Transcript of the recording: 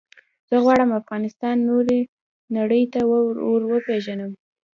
زه غواړم افغانستان نورې نړی ته وروپېژنم.